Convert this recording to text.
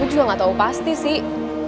emang gak tau pasti sih